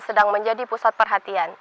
sedang menjadi pusat perhatian